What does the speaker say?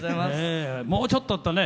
もうちょっとだったね。